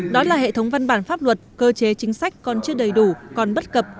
đó là hệ thống văn bản pháp luật cơ chế chính sách còn chưa đầy đủ còn bất cập